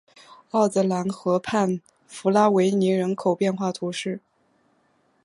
奥泽兰河畔弗拉维尼人口变化图示